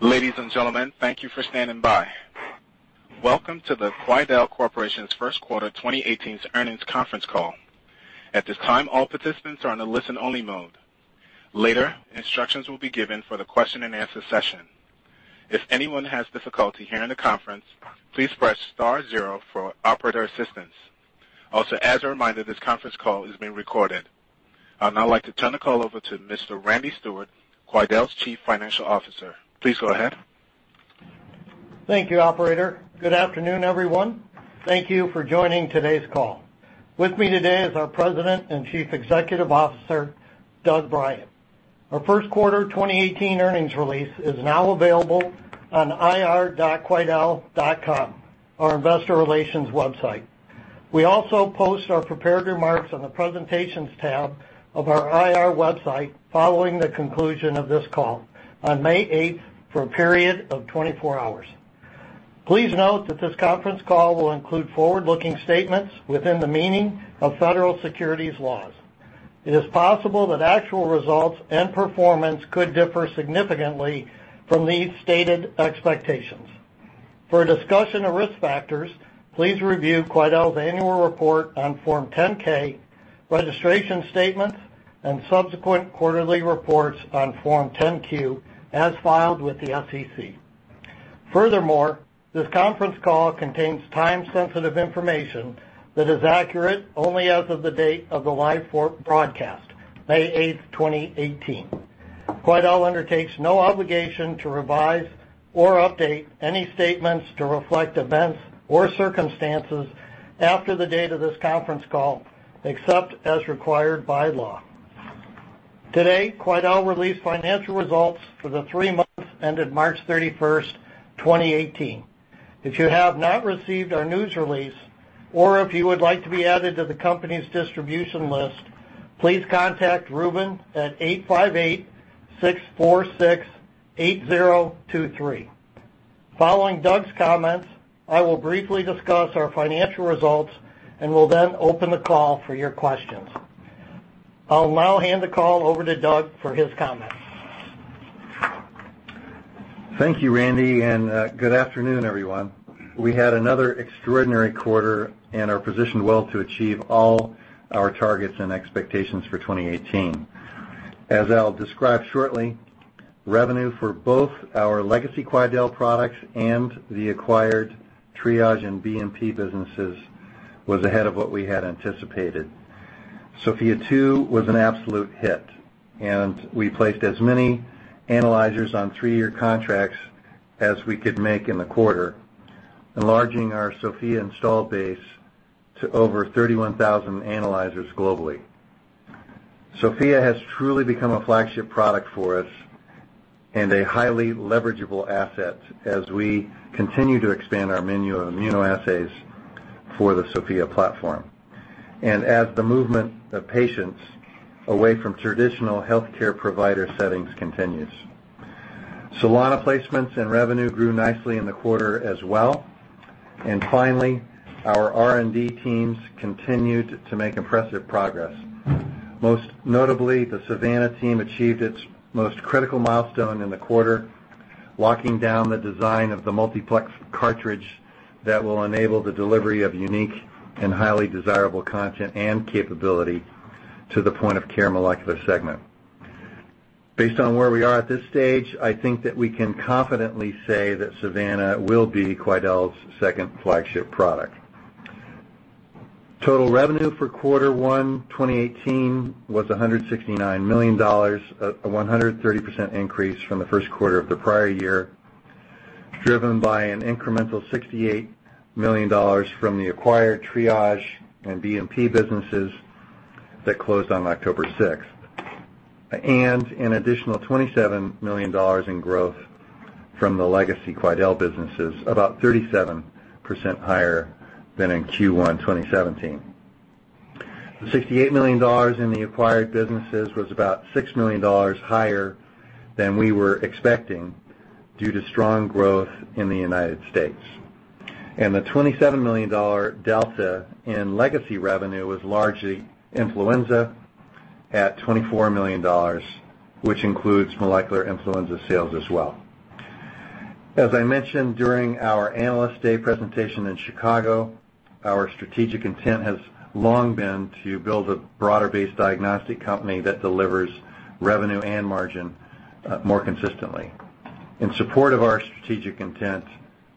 Ladies and gentlemen, thank you for standing by. Welcome to the Quidel Corporation's first quarter 2018 earnings conference call. At this time, all participants are on a listen only mode. Later, instructions will be given for the question and answer session. If anyone has difficulty hearing the conference, please press star zero for operator assistance. Also, as a reminder, this conference call is being recorded. I'd now like to turn the call over to Mr. Randy Steward, Quidel's Chief Financial Officer. Please go ahead. Thank you, operator. Good afternoon, everyone. Thank you for joining today's call. With me today is our President and Chief Executive Officer, Doug Bryant. Our first quarter 2018 earnings release is now available on ir.quidel.com, our investor relations website. We also post our prepared remarks on the presentations tab of our IR website following the conclusion of this call on May 8th for a period of 24 hours. Please note that this conference call will include forward-looking statements within the meaning of federal securities laws. It is possible that actual results and performance could differ significantly from these stated expectations. For a discussion of risk factors, please review Quidel's annual report on Form 10-K, registration statements, and subsequent quarterly reports on Form 10-Q, as filed with the SEC. This conference call contains time-sensitive information that is accurate only as of the date of the live broadcast, May 8th, 2018. Quidel undertakes no obligation to revise or update any statements to reflect events or circumstances after the date of this conference call, except as required by law. Today, Quidel released financial results for the three months ended March 31st, 2018. If you have not received our news release, or if you would like to be added to the company's distribution list, please contact Ruben at 858-646-8023. Following Doug's comments, I will briefly discuss our financial results and will then open the call for your questions. I'll now hand the call over to Doug for his comments. Thank you, Randy, and good afternoon, everyone. We had another extraordinary quarter and are positioned well to achieve all our targets and expectations for 2018. As I'll describe shortly, revenue for both our legacy Quidel products and the acquired Triage and BNP businesses was ahead of what we had anticipated. Sofia 2 was an absolute hit, and we placed as many analyzers on three-year contracts as we could make in the quarter, enlarging our Sofia install base to over 31,000 analyzers globally. Sofia has truly become a flagship product for us and a highly leverageable asset as we continue to expand our menu of immunoassays for the Sofia platform, and as the movement of patients away from traditional healthcare provider settings continues. Solana placements and revenue grew nicely in the quarter as well. Finally, our R&D teams continued to make impressive progress. Most notably, the SAVANNA team achieved its most critical milestone in the quarter, locking down the design of the multiplex cartridge that will enable the delivery of unique and highly desirable content and capability to the point-of-care molecular segment. Based on where we are at this stage, I think that we can confidently say that SAVANNA will be Quidel's second flagship product. Total revenue for quarter one 2018 was $169 million, a 130% increase from the first quarter of the prior year, driven by an incremental $68 million from the acquired Triage and BNP businesses that closed on October 6, and an additional $27 million in growth from the legacy Quidel businesses, about 37% higher than in Q1 2017. The $68 million in the acquired businesses was about $6 million higher than we were expecting due to strong growth in the U.S. The $27 million delta in legacy revenue was largely influenza at $24 million, which includes molecular influenza sales as well. As I mentioned during our Analyst Day presentation in Chicago, our strategic intent has long been to build a broader-based diagnostic company that delivers revenue and margin more consistently. In support of our strategic intent,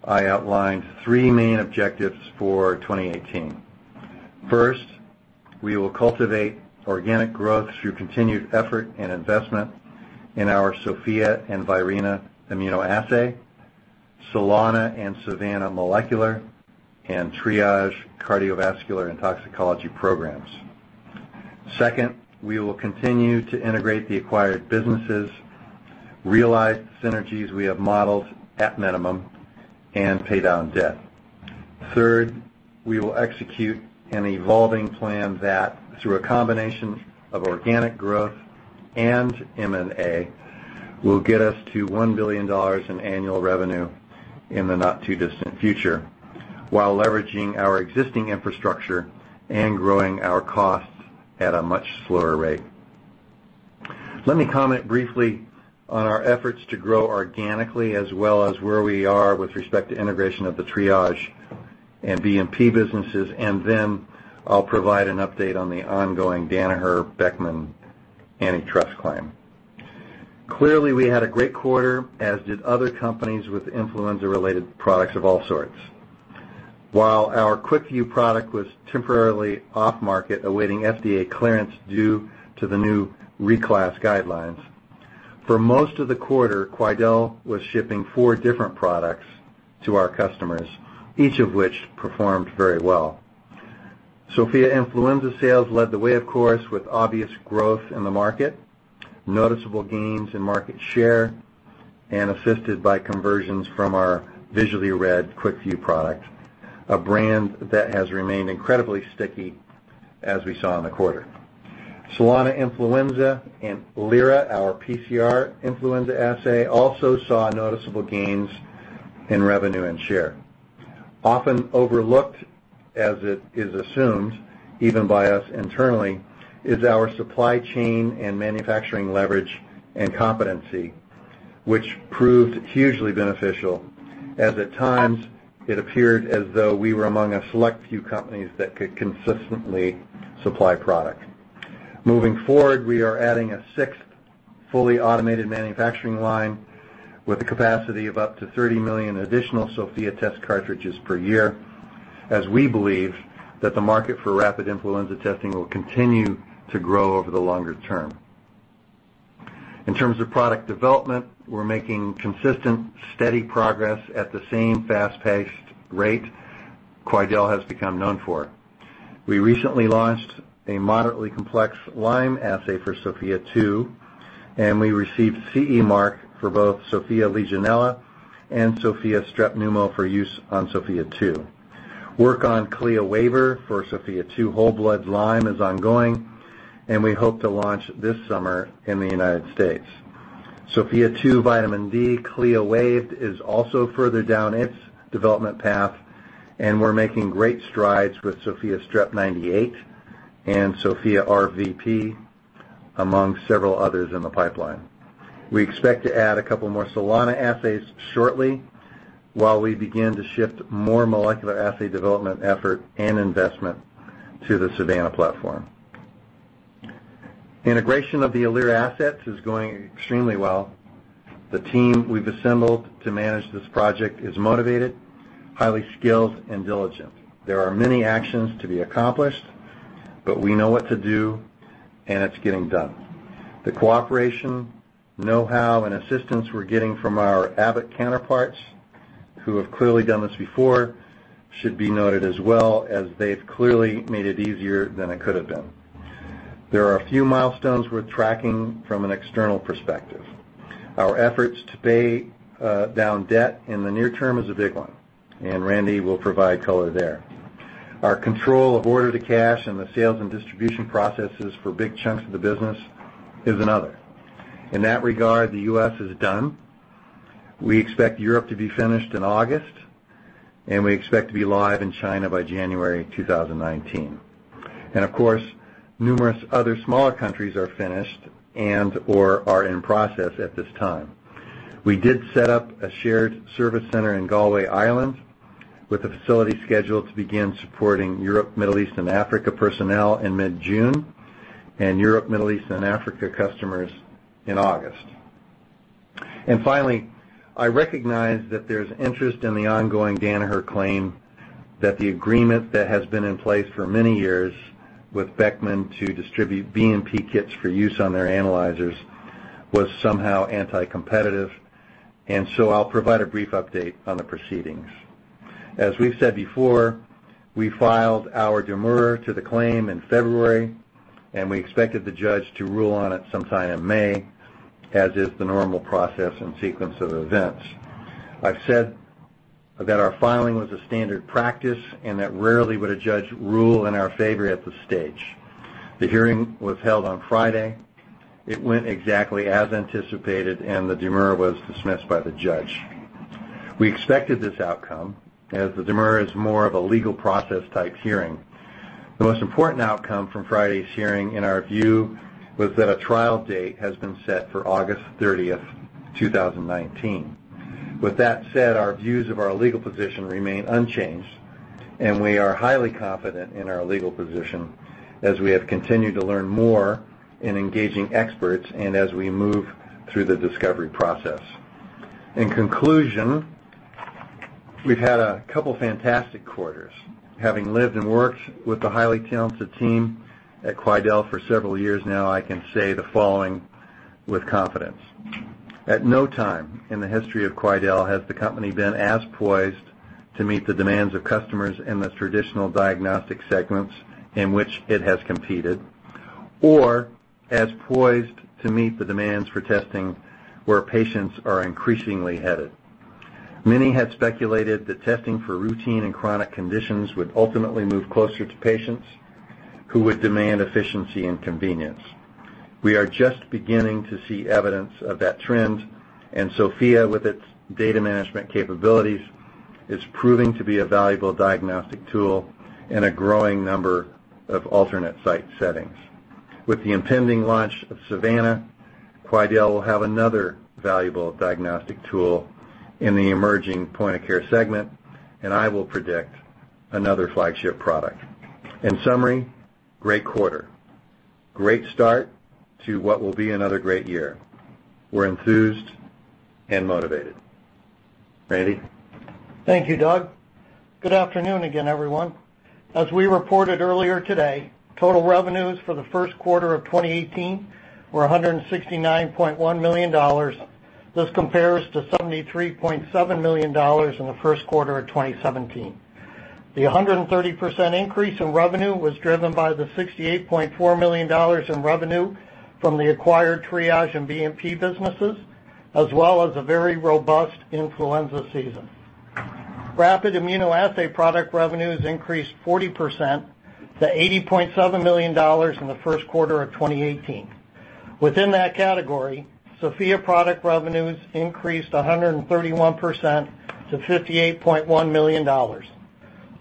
I outlined three main objectives for 2018. First, we will cultivate organic growth through continued effort and investment in our Sofia and Virena immunoassay, Solana and SAVANNA molecular, and Triage cardiovascular and toxicology programs. Second, we will continue to integrate the acquired businesses, realize synergies we have modeled at minimum, and pay down debt. Third, we will execute an evolving plan that, through a combination of organic growth and M&A, will get us to $1 billion in annual revenue in the not-too-distant future, while leveraging our existing infrastructure and growing our costs at a much slower rate. Let me comment briefly on our efforts to grow organically, as well as where we are with respect to integration of the Triage and BNP businesses, and then I'll provide an update on the ongoing Danaher Beckman antitrust claim. Clearly, we had a great quarter, as did other companies with influenza-related products of all sorts. While our QuickVue product was temporarily off market, awaiting FDA clearance due to the new reclass guidelines, for most of the quarter, Quidel was shipping four different products to our customers, each of which performed very well. Sofia Influenza sales led the way, of course, with obvious growth in the market, noticeable gains in market share, and assisted by conversions from our visually read QuickVue product, a brand that has remained incredibly sticky as we saw in the quarter. Solana Influenza and Lyra, our PCR influenza assay, also saw noticeable gains in revenue and share. Often overlooked, as it is assumed, even by us internally, is our supply chain and manufacturing leverage and competency, which proved hugely beneficial as at times it appeared as though we were among a select few companies that could consistently supply product. Moving forward, we are adding a sixth fully automated manufacturing line with a capacity of up to 30 million additional Sofia test cartridges per year, as we believe that the market for rapid influenza testing will continue to grow over the longer term. In terms of product development, we're making consistent, steady progress at the same fast-paced rate Quidel has become known for. We recently launched a moderately complex Lyme assay for Sofia 2, and we received CE mark for both Sofia Legionella and Sofia Strep Pneumo for use on Sofia 2. Work on CLIA waiver for Sofia 2 Whole Blood Lyme is ongoing, and we hope to launch this summer in the U.S. Sofia 2 Vitamin D CLIA waived is also further down its development path, and we're making great strides with Sofia Strep A+ and Sofia RVP, among several others in the pipeline. We expect to add a couple more Solana assays shortly while we begin to shift more molecular assay development effort and investment to the SAVANNA platform. Integration of the Alere assets is going extremely well. The team we've assembled to manage this project is motivated, highly skilled, and diligent. There are many actions to be accomplished, but we know what to do, and it's getting done. The cooperation, know-how, and assistance we're getting from our Abbott counterparts, who have clearly done this before, should be noted as well, as they've clearly made it easier than it could have been. There are a few milestones we're tracking from an external perspective. Our efforts to pay down debt in the near term is a big one, and Randy will provide color there. Our control of order to cash and the sales and distribution processes for big chunks of the business is another. In that regard, the U.S. is done. We expect Europe to be finished in August, and we expect to be live in China by January 2019. Of course, numerous other smaller countries are finished and/or are in process at this time. We did set up a shared service center in Galway, Ireland, with a facility scheduled to begin supporting Europe, Middle East, and Africa personnel in mid-June, and Europe, Middle East, and Africa customers in August. Finally, I recognize that there's interest in the ongoing Danaher claim that the agreement that has been in place for many years with Beckman Coulter to distribute BNP kits for use on their analyzers was somehow anti-competitive, so I'll provide a brief update on the proceedings. As we've said before, we filed our demurrer to the claim in February, and we expected the judge to rule on it sometime in May, as is the normal process and sequence of events. I've said that our filing was a standard practice and that rarely would a judge rule in our favor at this stage. The hearing was held on Friday. It went exactly as anticipated, and the demurrer was dismissed by the judge. We expected this outcome, as the demurrer is more of a legal process-type hearing. The most important outcome from Friday's hearing, in our view, was that a trial date has been set for August 30th, 2019. With that said, our views of our legal position remain unchanged, and we are highly confident in our legal position as we have continued to learn more in engaging experts and as we move through the discovery process. In conclusion, we've had a couple fantastic quarters. Having lived and worked with the highly talented team at Quidel for several years now, I can say the following with confidence. At no time in the history of Quidel has the company been as poised to meet the demands of customers in the traditional diagnostic segments in which it has competed or as poised to meet the demands for testing where patients are increasingly headed. Many had speculated that testing for routine and chronic conditions would ultimately move closer to patients. Who would demand efficiency and convenience. We are just beginning to see evidence of that trend, and Sofia, with its data management capabilities, is proving to be a valuable diagnostic tool in a growing number of alternate site settings. With the impending launch of SAVANNA, Quidel will have another valuable diagnostic tool in the emerging point-of-care segment, and I will predict another flagship product. In summary, great quarter, great start to what will be another great year. We're enthused and motivated. Randy? Thank you, Doug. Good afternoon again, everyone. As we reported earlier today, total revenues for the first quarter of 2018 were $169.1 million. This compares to $73.7 million in the first quarter of 2017. The 130% increase in revenue was driven by the $68.4 million in revenue from the acquired Triage and BNP businesses, as well as a very robust influenza season. Rapid immunoassay product revenues increased 40% to $80.7 million in the first quarter of 2018. Within that category, Sofia product revenues increased 131% to $58.1 million.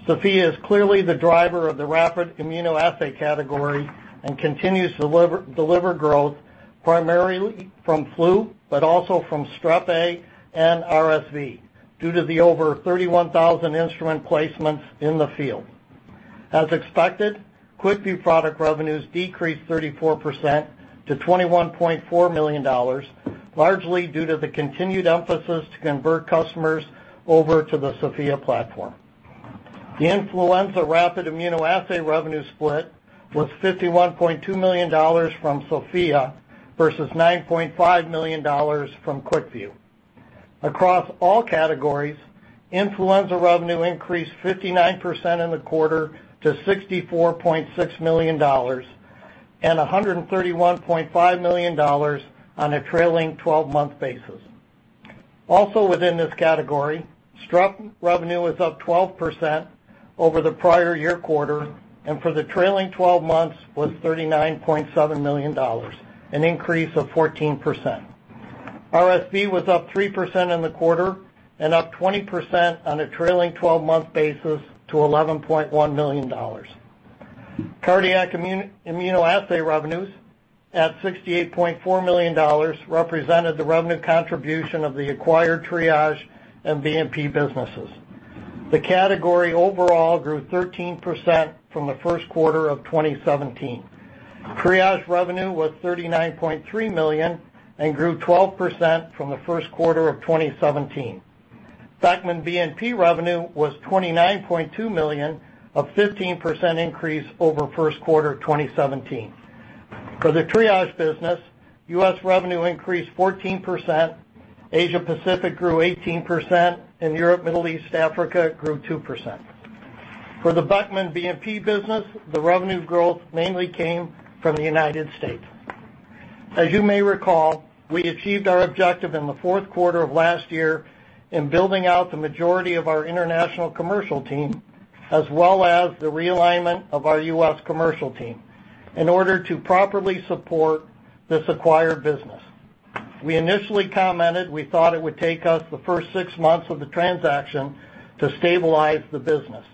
Sofia is clearly the driver of the rapid immunoassay category and continues to deliver growth primarily from flu, but also from Strep A and RSV due to the over 31,000 instrument placements in the field. As expected, QuickVue product revenues decreased 34% to $21.4 million, largely due to the continued emphasis to convert customers over to the Sofia platform. The influenza rapid immunoassay revenue split was $51.2 million from Sofia versus $9.5 million from QuickVue. Across all categories, influenza revenue increased 59% in the quarter to $64.6 million, and $131.5 million on a trailing 12-month basis. Also within this category, Strep revenue was up 12% over the prior year quarter, and for the trailing 12 months was $39.7 million, an increase of 14%. RSV was up 3% in the quarter and up 20% on a trailing 12-month basis to $11.1 million. Cardiac immunoassay revenues at $68.4 million represented the revenue contribution of the acquired Triage and BNP businesses. The category overall grew 13% from the first quarter of 2017. Triage revenue was $39.3 million and grew 12% from the first quarter of 2017. Beckman BNP revenue was $29.2 million, a 15% increase over first quarter 2017. For the Triage business, U.S. revenue increased 14%, Asia Pacific grew 18%, and Europe, Middle East, Africa grew 2%. For the Beckman BNP business, the revenue growth mainly came from the United States. As you may recall, we achieved our objective in the fourth quarter of last year in building out the majority of our international commercial team, as well as the realignment of our U.S. commercial team in order to properly support this acquired business. We initially commented we thought it would take us the first six months of the transaction to stabilize the business.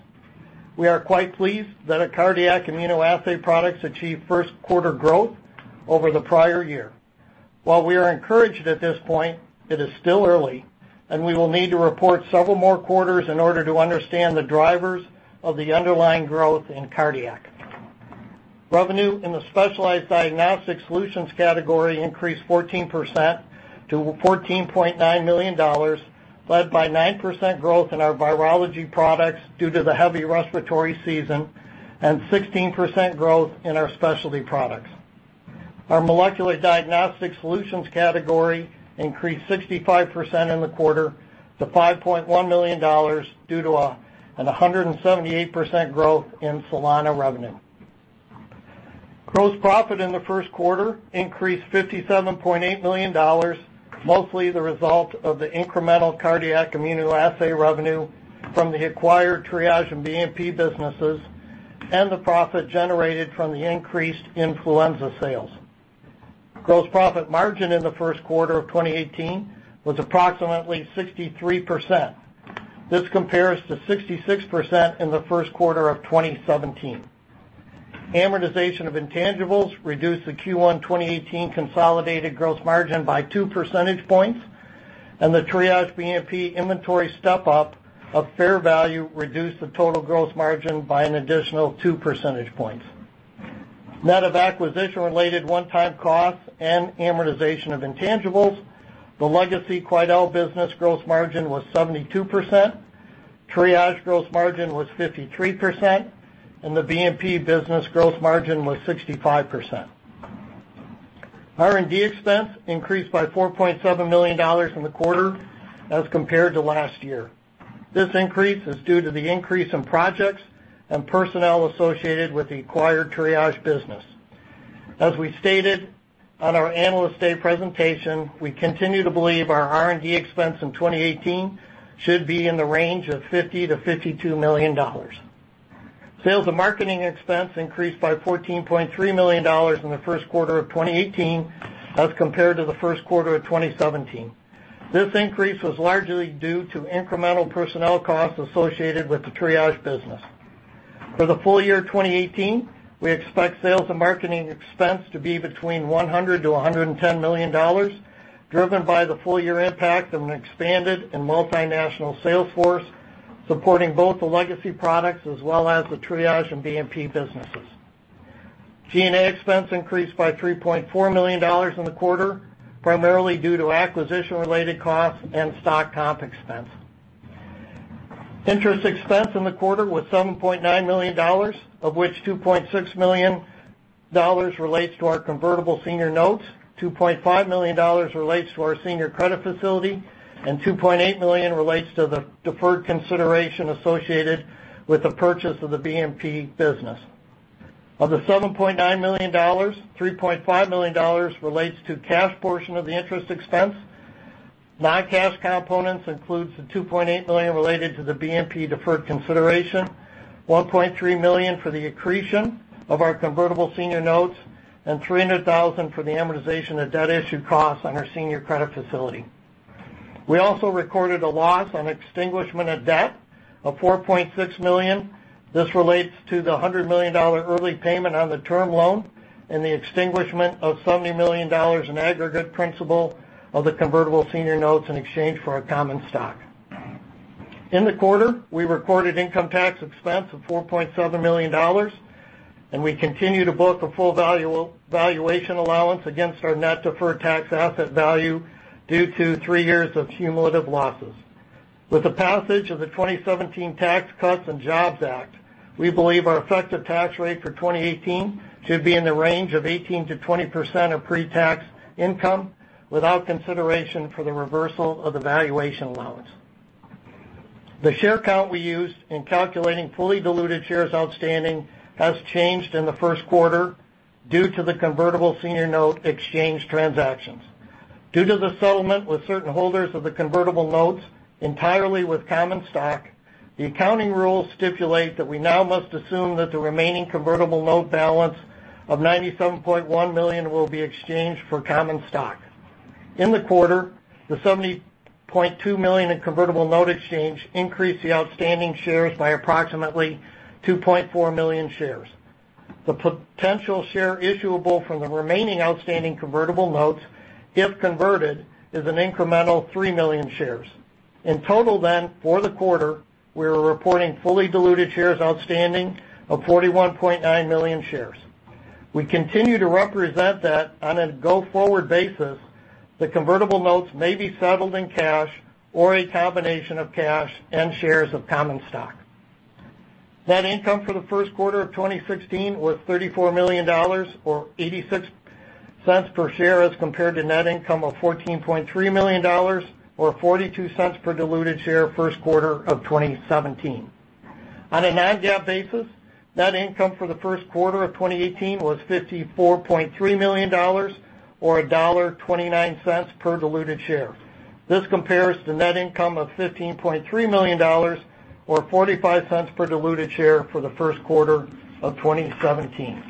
We are quite pleased that our cardiac immunoassay products achieved first quarter growth over the prior year. While we are encouraged at this point, it is still early, and we will need to report several more quarters in order to understand the drivers of the underlying growth in cardiac. Revenue in the specialized diagnostic solutions category increased 14% to $14.9 million, led by 9% growth in our virology products due to the heavy respiratory season and 16% growth in our specialty products. Our molecular diagnostic solutions category increased 65% in the quarter to $5.1 million due to 178% growth in Solana revenue. Gross profit in the first quarter increased $57.8 million, mostly the result of the incremental cardiac immunoassay revenue from the acquired Triage and BNP businesses and the profit generated from the increased influenza sales. Gross profit margin in the first quarter of 2018 was approximately 63%. This compares to 66% in the first quarter of 2017. Amortization of intangibles reduced the Q1 2018 consolidated gross margin by two percentage points, and the Triage BNP inventory step-up of fair value reduced the total gross margin by an additional two percentage points. Net of acquisition-related one-time costs and amortization of intangibles, the legacy Quidel business gross margin was 72%, Triage gross margin was 53%, and the BNP business gross margin was 65%. R&D expense increased by $4.7 million in the quarter as compared to last year. This increase is due to the increase in projects and personnel associated with the acquired Triage business. As we stated on our Analyst Day presentation, we continue to believe our R&D expense in 2018 should be in the range of $50 million to $52 million. Sales and marketing expense increased by $14.3 million in the first quarter of 2018 as compared to the first quarter of 2017. This increase was largely due to incremental personnel costs associated with the Triage business. For the full year 2018, we expect sales and marketing expense to be between $100 million to $110 million, driven by the full year impact of an expanded and multinational sales force supporting both the legacy products as well as the Triage and BNP businesses. G&A expense increased by $3.4 million in the quarter, primarily due to acquisition-related costs and stock comp expense. Interest expense in the quarter was $7.9 million, of which $2.6 million relates to our convertible senior notes, $2.5 million relates to our senior credit facility, and $2.8 million relates to the deferred consideration associated with the purchase of the BNP business. Of the $7.9 million, $3.5 million relates to cash portion of the interest expense. Non-cash components includes the $2.8 million related to the BNP deferred consideration, $1.3 million for the accretion of our convertible senior notes, and $300,000 for the amortization of debt issued costs on our senior credit facility. We also recorded a loss on extinguishment of debt of $4.6 million. This relates to the $100 million early payment on the term loan and the extinguishment of $70 million in aggregate principal of the convertible senior notes in exchange for our common stock. In the quarter, we recorded income tax expense of $4.7 million, and we continue to book the full valuation allowance against our net deferred tax asset value due to three years of cumulative losses. With the passage of the 2017 Tax Cuts and Jobs Act, we believe our effective tax rate for 2018 should be in the range of 18%-20% of pre-tax income without consideration for the reversal of the valuation allowance. The share count we used in calculating fully diluted shares outstanding has changed in the first quarter due to the convertible senior note exchange transactions. Due to the settlement with certain holders of the convertible notes entirely with common stock, the accounting rules stipulate that we now must assume that the remaining convertible note balance of $97.1 million will be exchanged for common stock. In the quarter, the $70.2 million in convertible note exchange increased the outstanding shares by approximately 2.4 million shares. The potential share issuable from the remaining outstanding convertible notes, if converted, is an incremental 3 million shares. In total, for the quarter, we are reporting fully diluted shares outstanding of 41.9 million shares. We continue to represent that on a go-forward basis, the convertible notes may be settled in cash or a combination of cash and shares of common stock. Net income for the first quarter of 2016 was $34 million, or $0.86 per share, as compared to net income of $14.3 million, or $0.42 per diluted share first quarter of 2017. On a non-GAAP basis, net income for the first quarter of 2018 was $54.3 million, or $1.29 per diluted share. This compares to net income of $15.3 million, or $0.45 per diluted share for the first quarter of 2017.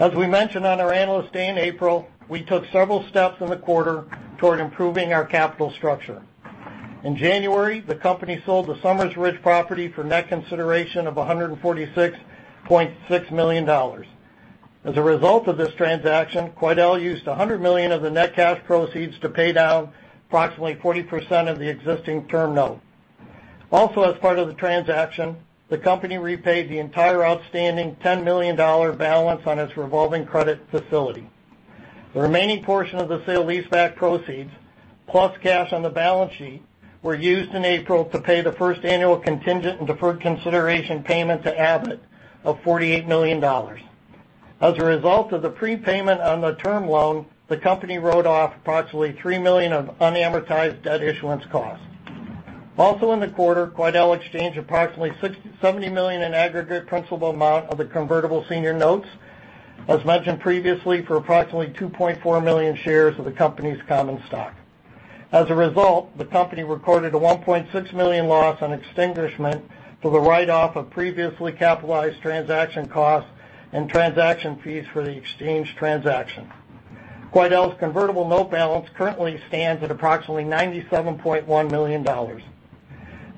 As we mentioned on our Analyst Day in April, we took several steps in the quarter toward improving our capital structure. In January, the company sold the Summers Ridge property for net consideration of $146.6 million. As a result of this transaction, Quidel used $100 million of the net cash proceeds to pay down approximately 40% of the existing term note. Also, as part of the transaction, the company repaid the entire outstanding $10 million balance on its revolving credit facility. The remaining portion of the sale leaseback proceeds, plus cash on the balance sheet, were used in April to pay the first annual contingent and deferred consideration payment to Abbott of $48 million. As a result of the prepayment on the term loan, the company wrote off approximately $3 million of unamortized debt issuance costs. Also in the quarter, Quidel exchanged approximately $70 million in aggregate principal amount of the convertible senior notes, as mentioned previously, for approximately 2.4 million shares of the company's common stock. As a result, the company recorded a $1.6 million loss on extinguishment for the write-off of previously capitalized transaction costs and transaction fees for the exchange transaction. Quidel's convertible note balance currently stands at approximately $97.1 million.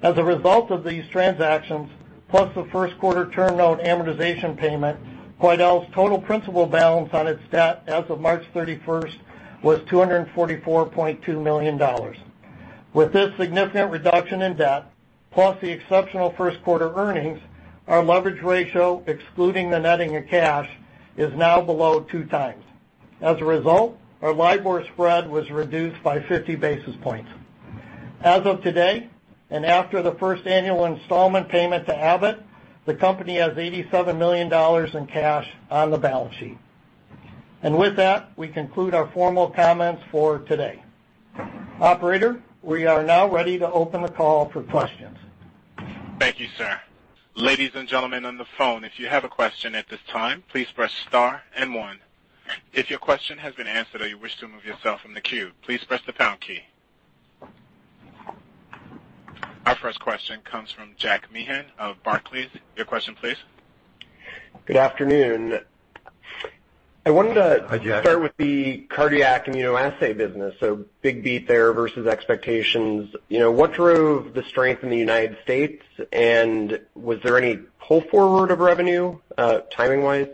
As a result of these transactions, plus the first quarter term note amortization payment, Quidel's total principal balance on its debt as of March 31st was $244.2 million. With this significant reduction in debt, plus the exceptional first quarter earnings, our leverage ratio, excluding the netting of cash, is now below two times. As a result, our LIBOR spread was reduced by 50 basis points. As of today, and after the first annual installment payment to Abbott, the company has $87 million in cash on the balance sheet. With that, we conclude our formal comments for today. Operator, we are now ready to open the call for questions. Thank you, sir. Ladies and gentlemen on the phone, if you have a question at this time, please press star and one. If your question has been answered or you wish to move yourself from the queue, please press the pound key. Our first question comes from Jack Meehan of Barclays. Your question, please. Good afternoon. Hi, Jack start with the cardiac immunoassay business, big beat there versus expectations. What drove the strength in the U.S., and was there any pull forward of revenue, timing wise?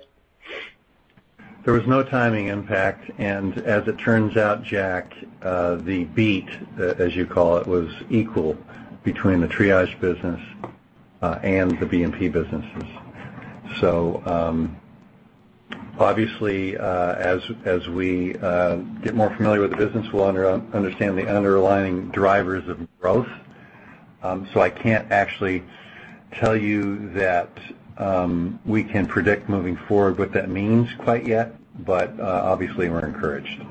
There was no timing impact, as it turns out, Jack, the beat, as you call it, was equal between the Triage business, and the BNP businesses. Obviously, as we get more familiar with the business, we will understand the underlying drivers of growth. I can't actually tell you that we can predict moving forward what that means quite yet. Obviously we're encouraged.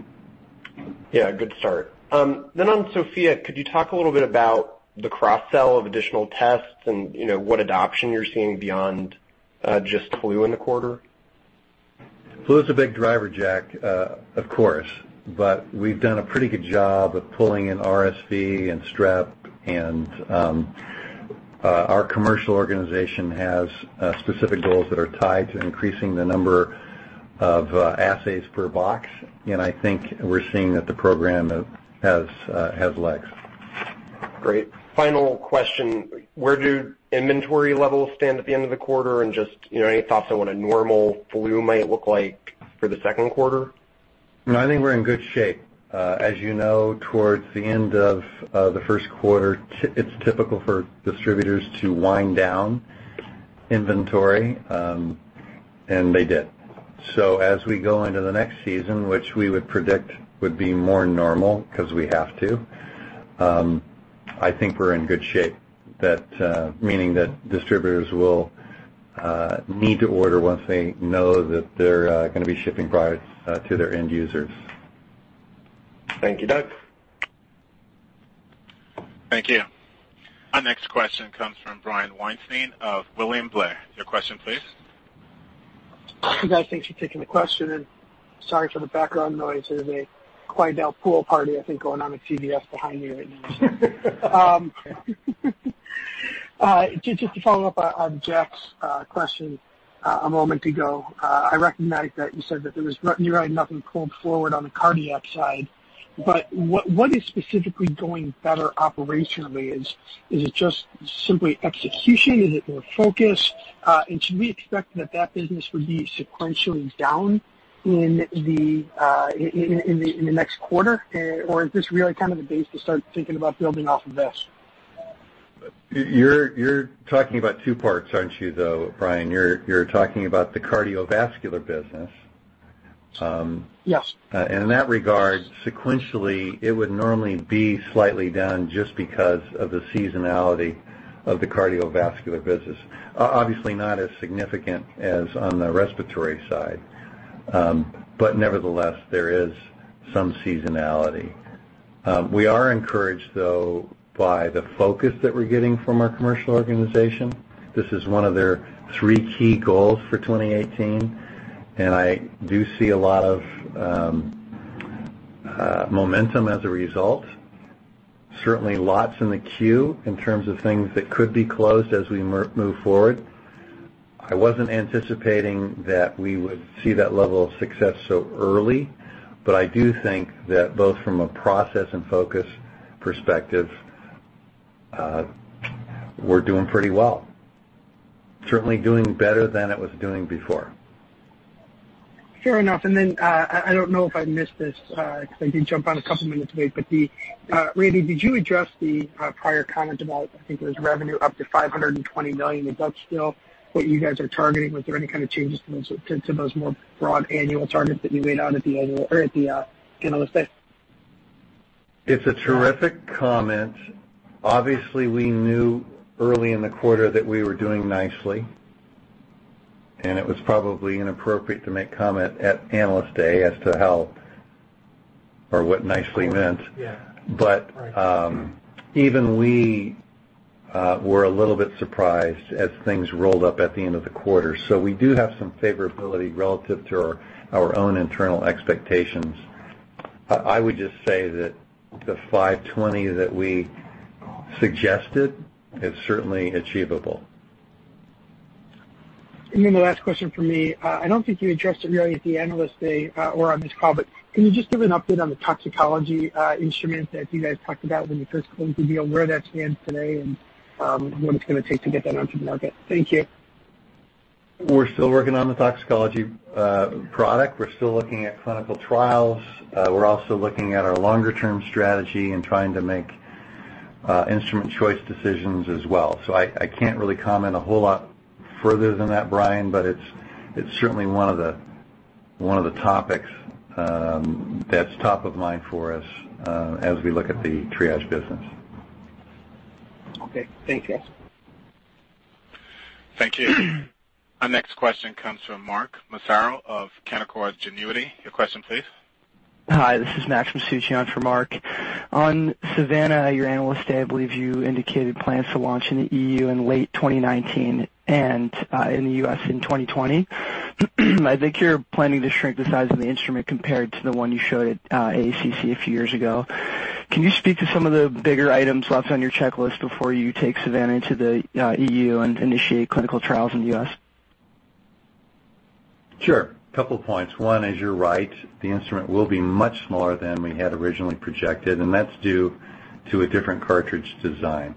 Yeah. Good start. On Sofia, could you talk a little bit about the cross-sell of additional tests and what adoption you're seeing beyond just flu in the quarter? Flu is a big driver, Jack, of course, but we've done a pretty good job of pulling in RSV and Strep, our commercial organization has specific goals that are tied to increasing the number of assays per box. I think we're seeing that the program has legs. Great. Final question. Where do inventory levels stand at the end of the quarter, and just any thoughts on what a normal flu might look like for the second quarter? No, I think we're in good shape. As you know, towards the end of the first quarter, it's typical for distributors to wind down inventory, and they did. As we go into the next season, which we would predict would be more normal because we have to, I think we're in good shape. Meaning that distributors will need to order once they know that they're going to be shipping products to their end users. Thank you, Doug. Thank you. Our next question comes from Brian Weinstein of William Blair. Your question, please. Hi, guys, thanks for taking the question, and sorry for the background noise. There's a Quidel pool party, I think, going on at CVS behind me right now. Just to follow up on Jack's question a moment ago. I recognize that you said that you had nothing pulled forward on the cardiac side, but what is specifically going better operationally? Is it just simply execution? Is it more focus? Should we expect that that business would be sequentially down in the next quarter? Is this really the base to start thinking about building off of this? You're talking about two parts, aren't you, though, Brian? You're talking about the cardiovascular business. Yes. In that regard, sequentially, it would normally be slightly down just because of the seasonality of the cardiovascular business. Obviously not as significant as on the respiratory side. Nevertheless, there is some seasonality. We are encouraged though, by the focus that we're getting from our commercial organization. This is one of their three key goals for 2018, and I do see a lot of momentum as a result. Certainly lots in the queue in terms of things that could be closed as we move forward. I wasn't anticipating that we would see that level of success so early, but I do think that both from a process and focus perspective, we're doing pretty well. Certainly doing better than it was doing before. Fair enough. I don't know if I missed this, because I did jump on a couple minutes late, but Randy, did you address the prior comment about, I think it was revenue up to $520 million? Is that still what you guys are targeting? Was there any kind of changes to those more broad annual targets that you laid out at the annual or at the Analyst Day? It's a terrific comment. We knew early in the quarter that we were doing nicely, and it was probably inappropriate to make comment at Analyst Day as to how or what nicely meant. Yeah. Even we were a little bit surprised as things rolled up at the end of the quarter. We do have some favorability relative to our own internal expectations. I would just say that the $520 that we suggested is certainly achievable. The last question from me, I don't think you addressed it really at the Analyst Day, or on this call, but can you just give an update on the toxicology instrument that you guys talked about when you first pulled the deal, where that stands today and what it's going to take to get that onto the market? Thank you. We're still working on the toxicology product. We're still looking at clinical trials. We're also looking at our longer term strategy and trying to make instrument choice decisions as well. I can't really comment a whole lot further than that, Brian, but it's certainly one of the topics that's top of mind for us as we look at the Triage business. Okay. Thank you. Thank you. Our next question comes from Mark Massaro of Canaccord Genuity. Your question, please. Hi, this is Max Masucci for Mark. On SAVANNA, your Analyst Day, I believe you indicated plans to launch in the EU in late 2019 and in the U.S. in 2020. I think you're planning to shrink the size of the instrument compared to the one you showed at AACC a few years ago. Can you speak to some of the bigger items left on your checklist before you take SAVANNA into the EU and initiate clinical trials in the U.S.? Sure. Couple of points. One is, you're right. The instrument will be much smaller than we had originally projected, and that's due to a different cartridge design.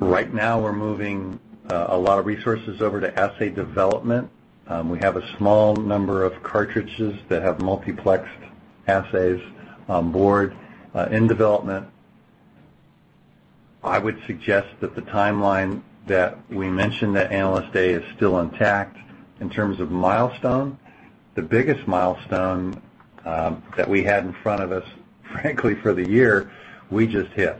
Right now we're moving a lot of resources over to assay development. We have a small number of cartridges that have multiplexed assays onboard in development. I would suggest that the timeline that we mentioned at Analyst Day is still intact in terms of milestone. The biggest milestone that we had in front of us, frankly, for the year, we just hit,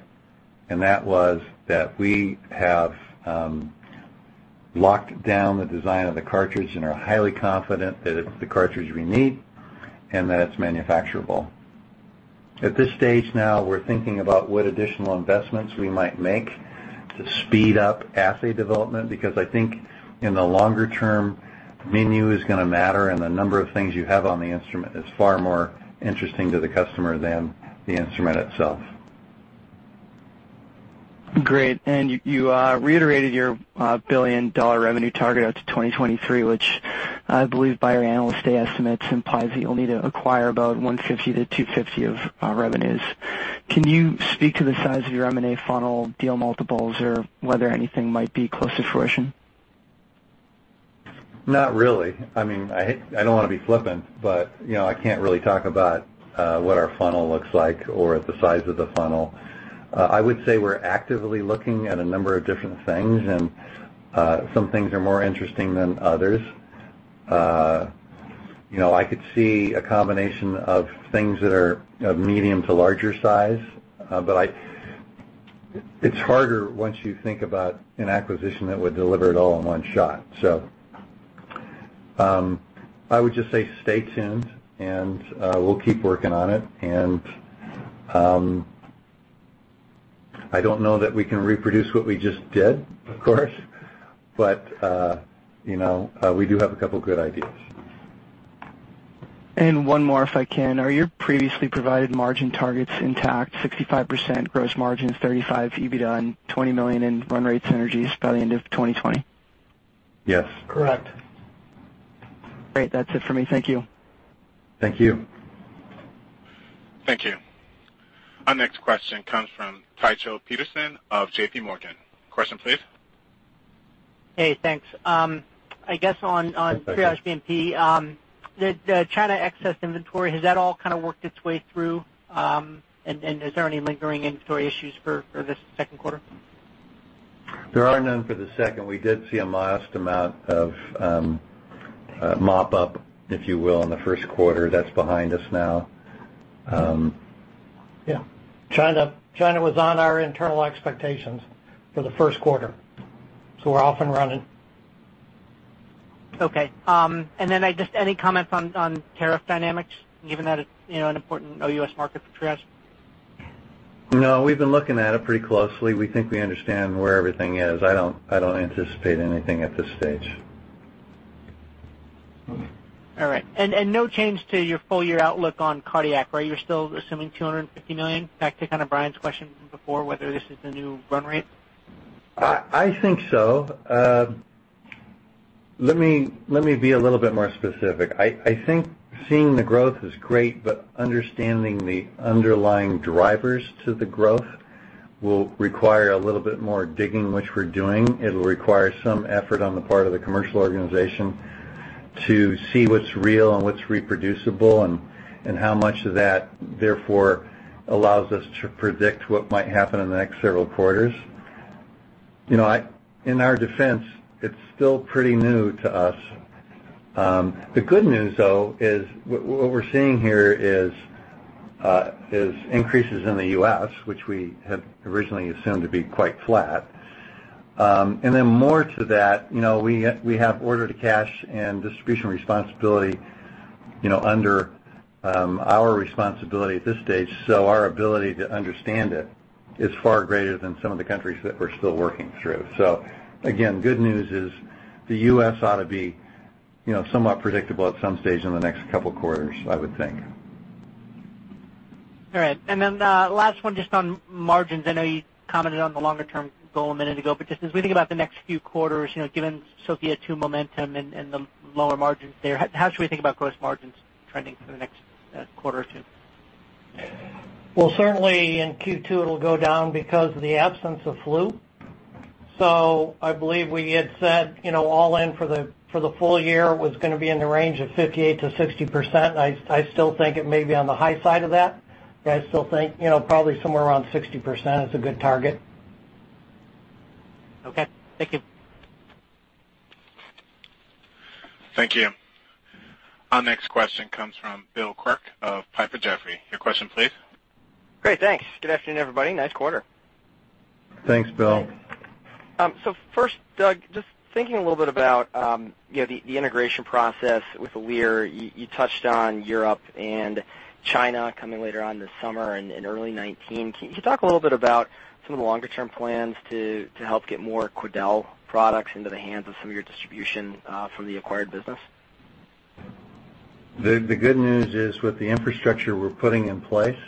and that was that we have locked down the design of the cartridge and are highly confident that it's the cartridge we need and that it's manufacturable. At this stage now, we're thinking about what additional investments we might make to speed up assay development, because I think in the longer term, menu is going to matter, and the number of things you have on the instrument is far more interesting to the customer than the instrument itself. Great. You reiterated your billion-dollar revenue target out to 2023, which I believe by your Analyst Day estimates, implies that you'll need to acquire about $150-$250 of revenues. Can you speak to the size of your M&A funnel deal multiples, or whether anything might be close to fruition? Not really. I don't want to be flippant, but I can't really talk about what our funnel looks like or the size of the funnel. I would say we're actively looking at a number of different things, and some things are more interesting than others. I could see a combination of things that are of medium to larger size, but it's harder once you think about an acquisition that would deliver it all in one shot. I would just say stay tuned and we'll keep working on it. I don't know that we can reproduce what we just did, of course, but we do have a couple of good ideas. One more, if I can. Are your previously provided margin targets intact, 65% gross margins, 35% EBITDA, and $20 million in run rate synergies by the end of 2020? Yes. Correct. Great. That's it for me. Thank you. Thank you. Thank you. Our next question comes from Tycho Peterson of J.P. Morgan. Question, please. Hey, thanks. I guess Hi, Tycho. Triage BNP, the China excess inventory, has that all worked its way through, and is there any lingering inventory issues for this second quarter? There are none for the second. We did see a modest amount of mop up, if you will, in the first quarter. That's behind us now. Yeah. China was on our internal expectations for the first quarter. We're off and running. Okay. Just any comments on tariff dynamics, given that it's an important OUS market for Triage? We've been looking at it pretty closely. We think we understand where everything is. I don't anticipate anything at this stage. No change to your full-year outlook on cardiac, right? You're still assuming $250 million? Back to kind of Brian's question from before, whether this is the new run rate. Let me be a little bit more specific. I think seeing the growth is great, understanding the underlying drivers to the growth will require a little bit more digging, which we're doing. It'll require some effort on the part of the commercial organization to see what's real and what's reproducible and how much of that, therefore, allows us to predict what might happen in the next several quarters. In our defense, it's still pretty new to us. The good news, though, is what we're seeing here is increases in the U.S., which we had originally assumed to be quite flat. More to that, we have order to cash and distribution responsibility under our responsibility at this stage. Our ability to understand it is far greater than some of the countries that we're still working through. Again, good news is the U.S. ought to be somewhat predictable at some stage in the next couple of quarters, I would think. All right. Last one just on margins. I know you commented on the longer-term goal a minute ago, but just as we think about the next few quarters, given Sofia 2 momentum and the lower margins there, how should we think about gross margins trending for the next quarter or two? Certainly in Q2, it'll go down because of the absence of flu. I believe we had said all in for the full year was going to be in the range of 58%-60%. I still think it may be on the high side of that, but I still think probably somewhere around 60% is a good target. Thank you. Thank you. Our next question comes from Bill Quirk of Piper Jaffray. Your question, please. Great. Thanks. Good afternoon, everybody. Nice quarter. Thanks, Bill. First, Doug, just thinking a little bit about the integration process with Alere. You touched on Europe and China coming later on this summer and in early 2019. Can you talk a little bit about some of the longer-term plans to help get more Quidel products into the hands of some of your distribution from the acquired business? The good news is with the infrastructure we're putting in place,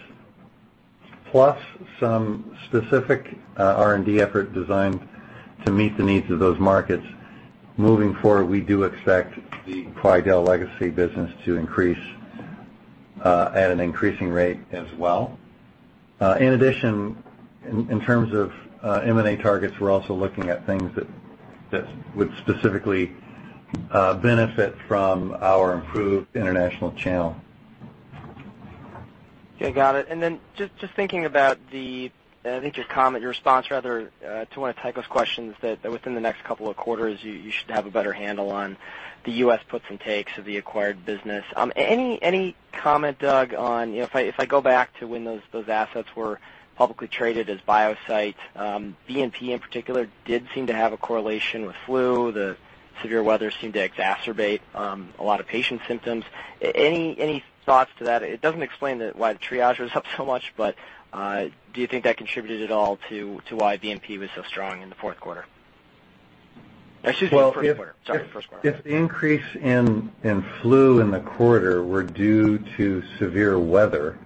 plus some specific R&D effort designed to meet the needs of those markets, moving forward, we do expect the Quidel legacy business to increase at an increasing rate as well. In addition, in terms of M&A targets, we're also looking at things that would specifically benefit from our improved international channel. Okay, got it. Just thinking about your response to one of Tycho's questions, that within the next couple of quarters, you should have a better handle on the U.S. puts and takes of the acquired business. Any comment, Doug, on, if I go back to when those assets were publicly traded as Biosite, BNP in particular did seem to have a correlation with flu. The severe weather seemed to exacerbate a lot of patients' symptoms. Any thoughts to that? It doesn't explain why the Triage is up so much, but do you think that contributed at all to why BNP was so strong in the fourth quarter? Excuse me, first quarter. Sorry, first quarter. If the increase in flu in the quarter were due to severe weather,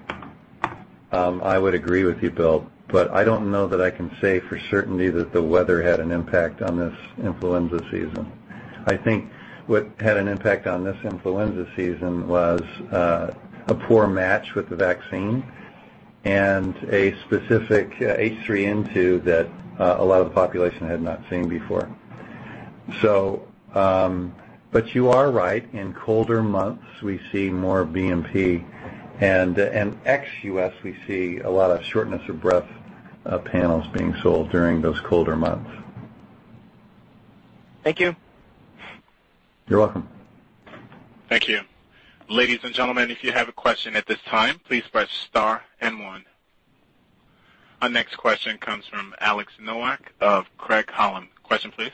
I would agree with you, Bill, but I don't know that I can say for certainty that the weather had an impact on this influenza season. I think what had an impact on this influenza season was a poor match with the vaccine and a specific H3N2 that a lot of the population had not seen before. You are right. In colder months, we see more BNP, and ex-U.S., we see a lot of shortness of breath panels being sold during those colder months. Thank you. You're welcome. Thank you. Ladies and gentlemen, if you have a question at this time, please press * and one. Our next question comes from Alex Nowak of Craig-Hallum. Question, please.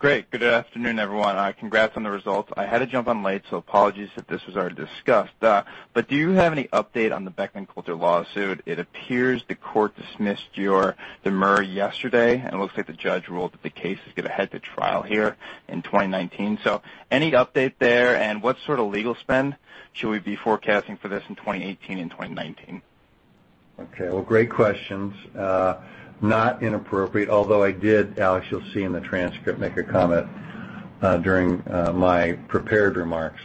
Great. Good afternoon, everyone. Congrats on the results. I had to jump on late, so apologies if this was already discussed. Do you have any update on the Beckman Coulter lawsuit? It appears the court dismissed your demurrer yesterday, and it looks like the judge ruled that the case is going to head to trial here in 2019. Any update there, and what sort of legal spend should we be forecasting for this in 2018 and 2019? Okay. Well, great questions. Not inappropriate, although I did, Alex, you'll see in the transcript, make a comment during my prepared remarks.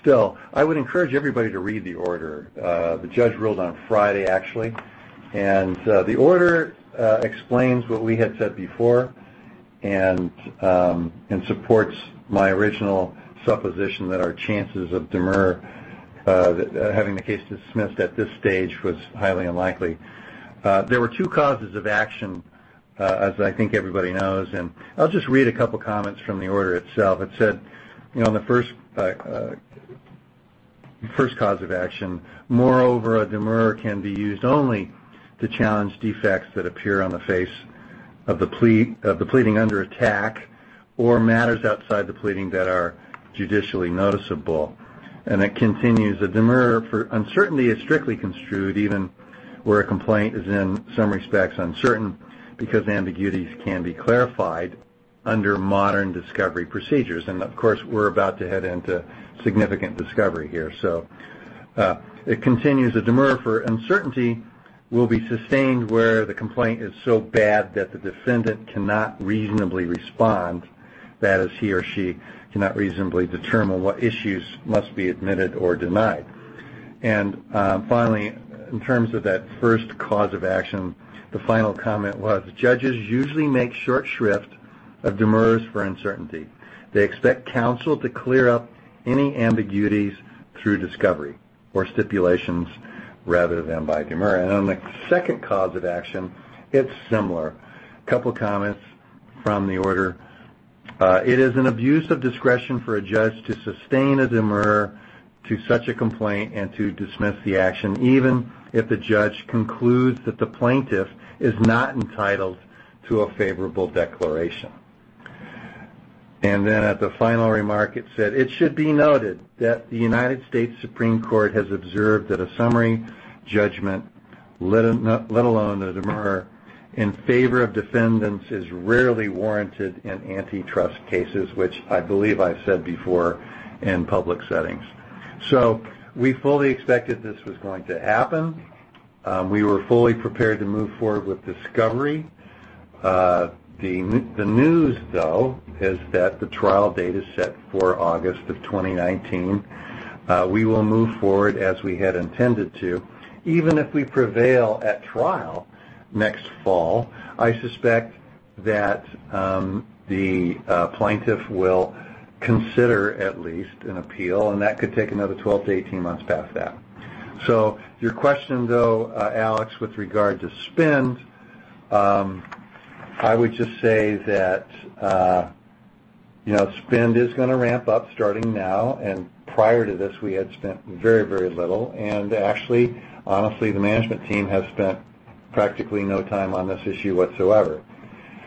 Still, I would encourage everybody to read the order. The judge ruled on Friday, actually, and the order explains what we had said before and supports my original supposition that our chances of demurrer, having the case dismissed at this stage was highly unlikely. There were two causes of action, as I think everybody knows. I'll just read a couple comments from the order itself. It said on the first cause of action, "Moreover, a demurrer can be used only to challenge defects that appear on the face of the pleading under attack or matters outside the pleading that are judicially noticeable." It continues, "A demurrer for uncertainty is strictly construed even where a complaint is, in some respects, uncertain because ambiguities can be clarified under modern discovery procedures." Of course, we're about to head into significant discovery here. It continues, "A demurrer for uncertainty will be sustained where the complaint is so bad that the defendant cannot reasonably respond, that is, he or she cannot reasonably determine what issues must be admitted or denied." Finally, in terms of that first cause of action, the final comment was, "Judges usually make short shrift of demurrers for uncertainty. They expect counsel to clear up any ambiguities through discovery or stipulations rather than by demurrer." On the second cause of action, it's similar. A couple comments from the order. "It is an abuse of discretion for a judge to sustain a demurrer to such a complaint and to dismiss the action, even if the judge concludes that the plaintiff is not entitled to a favorable declaration." Then at the final remark, it said, "It should be noted that the U.S. Supreme Court has observed that a summary judgment, let alone a demurrer in favor of defendants, is rarely warranted in antitrust cases," which I believe I've said before in public settings. We fully expected this was going to happen. We were fully prepared to move forward with discovery. The news, though, is that the trial date is set for August of 2019. We will move forward as we had intended to. Even if we prevail at trial next fall, I suspect that the plaintiff will consider at least an appeal, and that could take another 12-18 months past that. Your question, though, Alex, with regard to spend I would just say that spend is going to ramp up starting now, and prior to this, we had spent very, very little. Actually, honestly, the management team has spent practically no time on this issue whatsoever.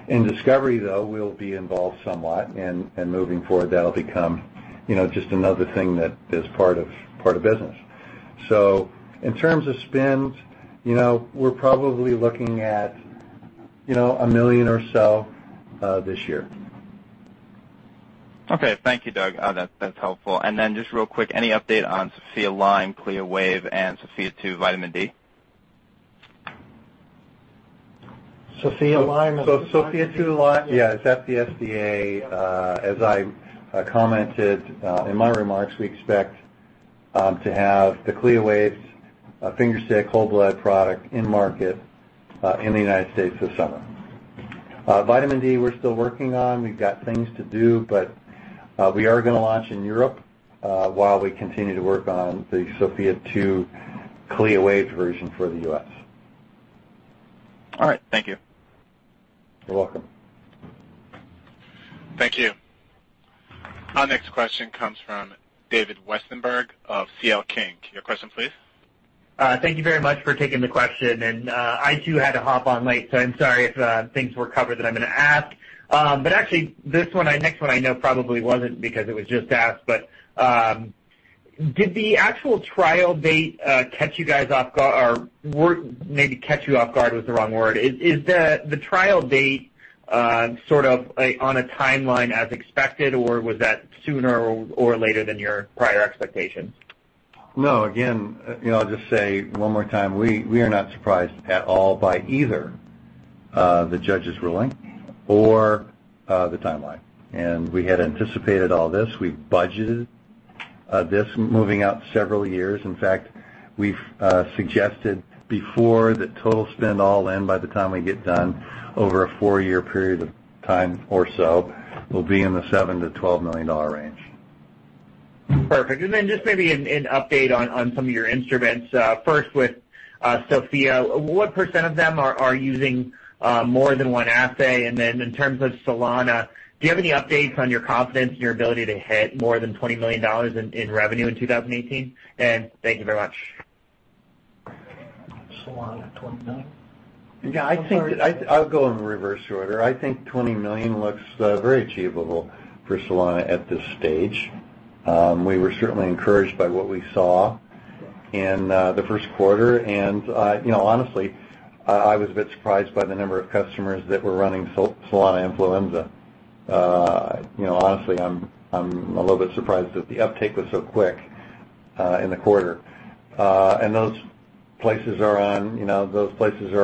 In discovery, though, we'll be involved somewhat, and moving forward, that'll become just another thing that is part of business. In terms of spend, we're probably looking at $1 million or so this year. Okay. Thank you, Doug. That's helpful. Just real quick, any update on Sofia Lyme CLIA waived and Sofia 2 Vitamin D? Sofia Lyme Sofia 2 Lyme, yeah, it's at the FDA. As I commented in my remarks, we expect to have the CLIA waived finger stick whole blood product in market in the United States this summer. Vitamin D, we're still working on. We've got things to do, but we are going to launch in Europe while we continue to work on the Sofia 2 CLIA waived version for the U.S. All right. Thank you. You're welcome. Thank you. Our next question comes from David Westenberg of C.L. King. Your question, please. Thank you very much for taking the question. I too had to hop on late, so I'm sorry if things were covered that I'm going to ask. Actually, this next one I know probably wasn't because it was just asked, but did the actual trial date catch you guys off guard? Maybe catch you off guard was the wrong word. Is the trial date sort of on a timeline as expected, or was that sooner or later than your prior expectations? No, again, I'll just say one more time, we are not surprised at all by either the judge's ruling or the timeline. We had anticipated all this. We've budgeted this moving out several years. In fact, we've suggested before the total spend all in by the time we get done over a four-year period of time or so will be in the $7 million-$12 million range. Perfect. Just maybe an update on some of your instruments. First with Sofia, what % of them are using more than one assay? In terms of Solana, do you have any updates on your confidence in your ability to hit more than $20 million in revenue in 2018? Thank you very much. Solana, $20 million? Yeah, I'll go in reverse order. I think $20 million looks very achievable for Solana at this stage. We were certainly encouraged by what we saw in the first quarter. Honestly, I was a bit surprised by the number of customers that were running Solana Influenza. Honestly, I'm a little bit surprised that the uptake was so quick in the quarter. Those places are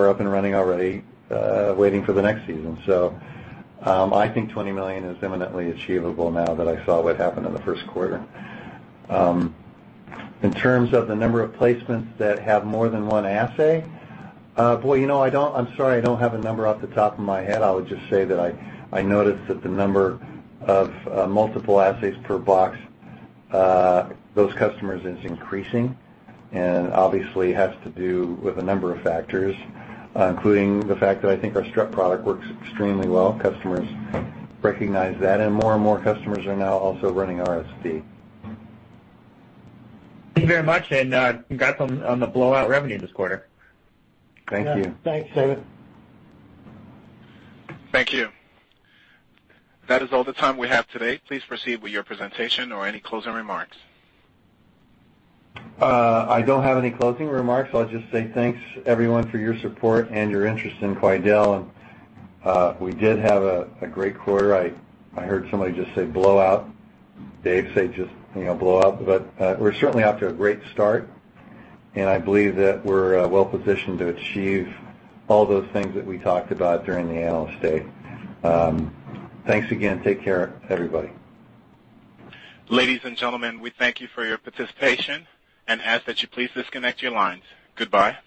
up and running already, waiting for the next season. I think $20 million is imminently achievable now that I saw what happened in the first quarter. In terms of the number of placements that have more than one assay, boy, I'm sorry I don't have a number off the top of my head. I would just say that I noticed that the number of multiple assays per box, those customers is increasing and obviously has to do with a number of factors, including the fact that I think our Strep product works extremely well. Customers recognize that. More and more customers are now also running RSV. Thank you very much. Congrats on the blowout revenue this quarter. Thank you. Yeah. Thanks, David. Thank you. That is all the time we have today. Please proceed with your presentation or any closing remarks. I don't have any closing remarks. I'll just say thanks, everyone, for your support and your interest in Quidel. We did have a great quarter. I heard somebody just say blowout. Dave say just blowout. We're certainly off to a great start, and I believe that we're well-positioned to achieve all those things that we talked about during the analyst day. Thanks again. Take care, everybody. Ladies and gentlemen, we thank you for your participation and ask that you please disconnect your lines. Goodbye.